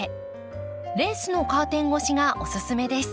レースのカーテン越しがおすすめです。